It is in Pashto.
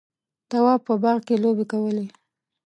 تواب په باغ کې لوبې کولې.